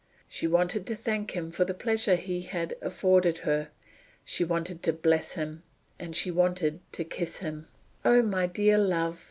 She wanted to thank him for the pleasure he had afforded her; she wanted to bless him, and she wanted to kiss him. "Oh, my dear love!"